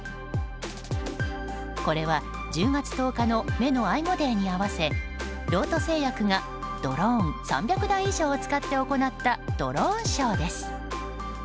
これは１０月１０日の目の愛護デーに合わせロート製薬がドローン３００台以上を使って行ったドローンショーです。